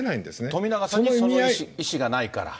冨永さんにその意思がないから。